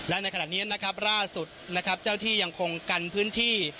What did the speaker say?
และในขณะนี้นะครับล่าสุดนะครับเจ้าที่ยังคงกันพื้นที่